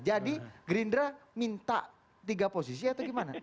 jadi gerindra minta tiga posisi atau gimana